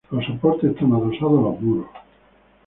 Los soportes están adosados a los muros.